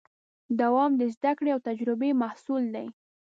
دوام د زدهکړې او تجربې محصول دی.